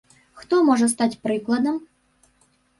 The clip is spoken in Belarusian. Хто можа стаць прыкладам?